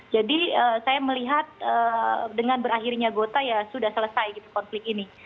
jadi saya melihat dengan berakhirnya gota ya sudah selesai konflik ini